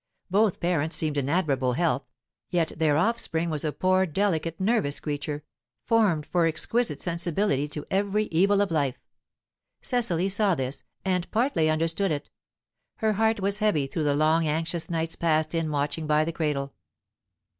Both parents seemed in admirable health, yet their offspring was a poor, delicate, nervous creature, formed for exquisite sensibility to every evil of life. Cecily saw this, and partly understood it; her heart was heavy through the long anxious nights passed in watching by the cradle.